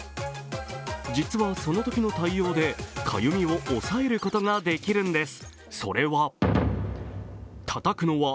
実は、そのときの対応でかゆみを抑えることができるんです。